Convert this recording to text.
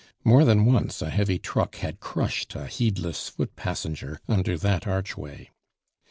More than once a heavy truck had crushed a heedless foot passenger under that arch way.